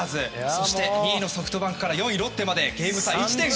そして、２位のソフトバンクから４位のロッテまでゲーム差が１．５。